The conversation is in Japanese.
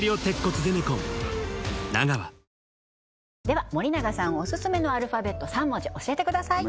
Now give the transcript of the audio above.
では森永さんオススメのアルファベット３文字教えてください